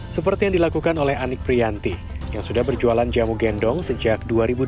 seperti yang dilakukan oleh anik prianti yang sudah berjualan jamu gendong sejak dua ribu dua belas